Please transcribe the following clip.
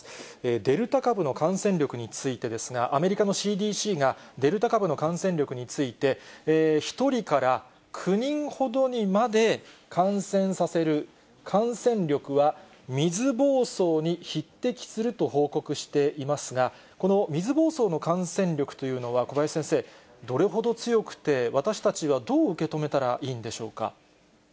デルタ株の感染力についてですが、アメリカのＣＤＣが、デルタ株の感染力について、１人から９人ほどにまで感染させる、感染力は水ぼうそうに匹敵すると報告していますが、この水ぼうそうの感染力というのは、小林先生、どれほど強くて、私たちはどう受け止めたらいいんでしょうか。